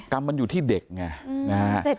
กรรมมันอยู่ที่เด็กไงนะฮะ